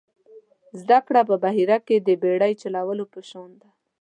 زده کړه په بحیره کې د بېړۍ چلولو په شان ده.